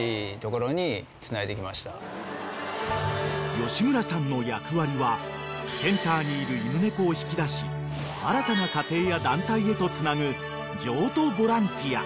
［吉村さんの役割はセンターにいる犬・猫を引き出し新たな家庭や団体へとつなぐ譲渡ボランティア］